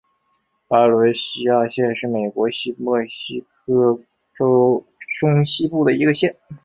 巴伦西亚县是美国新墨西哥州中西部的一个县。